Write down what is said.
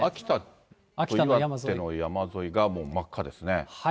秋田と岩手の山沿いが真っ赤ですね。